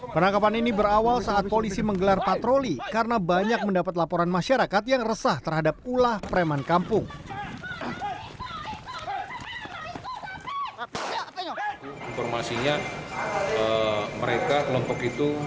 penangkapan ini berawal saat polisi menggelar patroli karena banyak mendapat laporan masyarakat yang resah terhadap ulah preman kampung